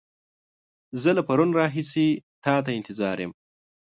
زه له پرون راهيسې تا ته انتظار يم.